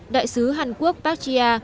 đại sứ hàn quốc park ji ha